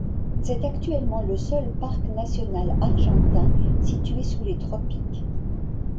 C'est actuellement le seul parc national argentin situé sous les tropiques.